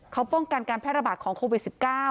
เขาป้องกันการแพร่ระบาดของโควิด๑๙